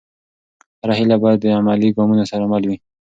هره هېله باید د عملي ګامونو سره مل وي.